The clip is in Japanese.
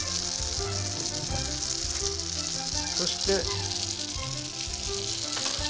そして。